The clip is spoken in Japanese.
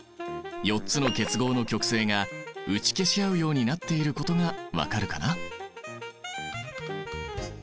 ４つの結合の極性が打ち消し合うようになっていることが分かるかな。